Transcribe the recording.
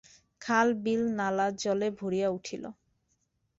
খাল বিল নালা জলে ভরিয়া উঠিল।